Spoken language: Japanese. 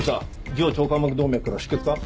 上腸間膜動脈から出血か？